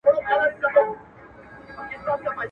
ښاخ پر ښاخ پورته کېدى د هسک و لورته.